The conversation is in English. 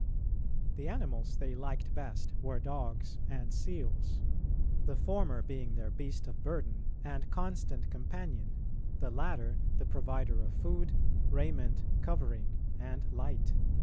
The animals they liked best were dogs and seals; the former being their beast of burden and constant companion, the latter the provider of food, raiment, covering, and light.